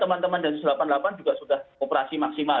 atau empat belas hari